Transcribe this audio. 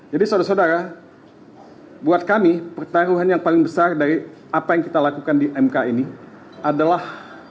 jadi saudara saudara buat kami pertaruhan yang paling besar dari apa yang kita lakukan di mk ini adalah